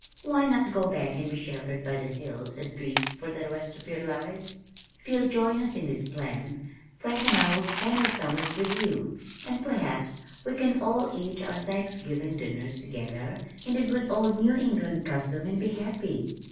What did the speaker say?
Why not go back and be sheltered by the hills and trees for the rest of your lives? If you'll join us in this plan, Frank and I will spend our summers with you and perhaps we can all eat our Thanksgiving dinners together in the good old New England custom and be happy."